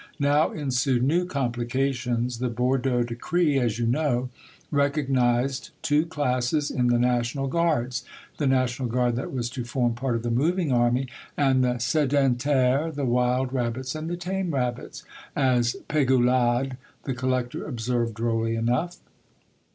Now en sued new complications. The Bordeaux decree, as you know, recognized two classes in the national guards, the national guard that was to form part of the moving army, and the s^dentaireSy — "the wild rabbits, and the tame rabbits," as Pegoulade the collector observed drolly enough.